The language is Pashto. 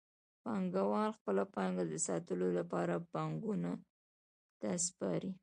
پانګوال خپله پانګه د ساتلو لپاره بانکونو ته سپاري